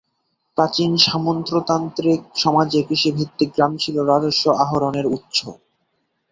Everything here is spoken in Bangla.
প্রাচীন সামন্ততান্ত্রিক সমাজে কৃষিভিত্তিক গ্রাম ছিল রাজস্ব আহরণের উৎস।